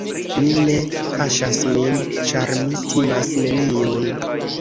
Mi ne kaŝas min, ĉar mi timas neniun.